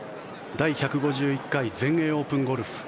第１５１回全英オープンゴルフ。